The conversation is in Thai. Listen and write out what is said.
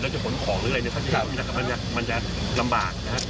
แล้วจะผลของหรืออะไรเนี้ยครับมันจะมันจะลำบากนะฮะ